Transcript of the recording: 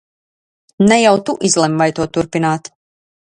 Ne jau tu izlem, vai to turpināt!